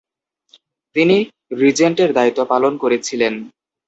তিনি রিজেন্টের দায়িত্ব পালন করেছিলেন।